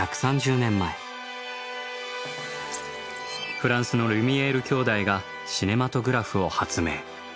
フランスのリュミエール兄弟がシネマトグラフを発明。